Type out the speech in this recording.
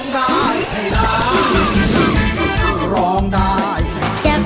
คือร้องได้ให้ร้อง